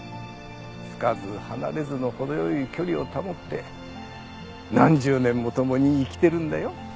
つかず離れずの程良い距離を保って何十年も共に生きてるんだよ。